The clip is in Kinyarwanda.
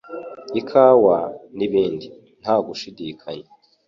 ikawa, n’ibindi. Nta gushidikanya